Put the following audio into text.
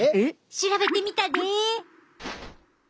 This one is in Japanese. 調べてみたで！